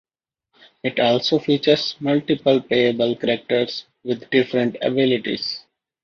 It also features multiple playable characters with different abilities.